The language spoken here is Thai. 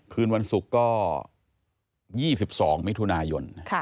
คืนวันศุกร์ก็๒๒มิถุนายน